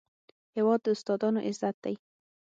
هېواد د استادانو عزت دی.